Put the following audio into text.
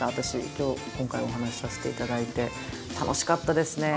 今日今回お話しさせていただいて楽しかったですね。